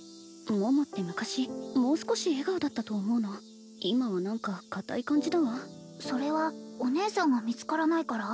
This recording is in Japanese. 桃って昔もう少し笑顔だったと思うの今は何か硬い感じだわそれはお姉さんが見つからないから？